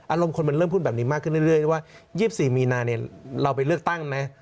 อารมณ์คนมันเริ่มพูดแบบนี้มากขึ้นเรื่อยว่า๒๔มีนาเนี่ยเราไปเลือกตั้งนะ